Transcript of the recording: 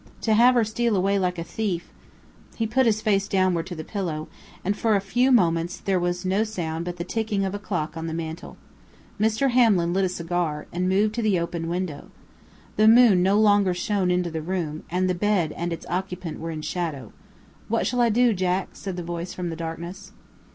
To have her steal away like a thief " He put his face downward to the pillow, and for a few moments there was no sound but the ticking of a clock on the mantel. Mr. Hamlin lit a cigar, and moved to the open window. The moon no longer shone into the room, and the bed and its occupant were in shadow. "What shall I do, Jack?" said the voice from the darkness.